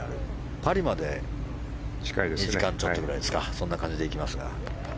パリまで２時間ちょっとぐらいですかそんな感じで行きますが。